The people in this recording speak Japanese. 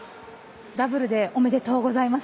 ダブルでおめでとうございます。